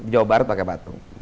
di jawa barat pakai patung